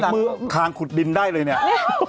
มือคางขุดดินได้เลยเนี่ย